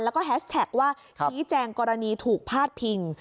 แล้วก็แฮชแท็กว่าชี้แจงกรณีถูกพาดพิง